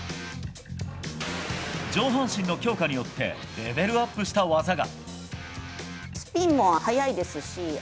上半身の強化によってレベルアップした技が。